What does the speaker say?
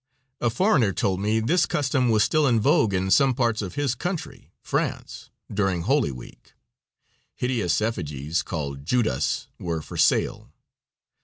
A foreigner told me this custom was still in vogue in some parts of his country, France, during holy week. Hideous effigies, called Judas, were for sale.